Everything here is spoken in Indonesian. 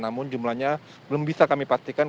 namun jumlahnya belum bisa kami pastikan